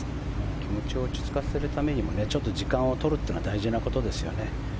気持ちを落ち着かせるためにもちょっと時間を取ることは大事なことですよね。